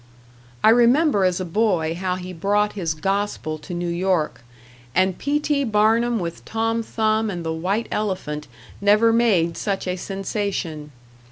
I remember as a boy how he brought his gospel to New York, and P.T. Barnum with Tom Thumb and the white elephant never made such a sensation.